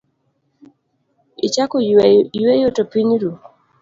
Ichako yueyo to piny ru.